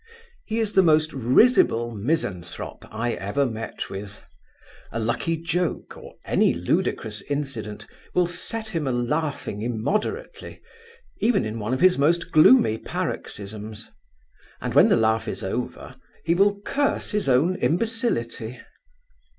He is the most risible misanthrope I ever met with. A lucky joke, or any ludicrous incident, will set him a laughing immoderately, even in one of his most gloomy paroxysms; and, when the laugh is over, he will curse his own imbecility.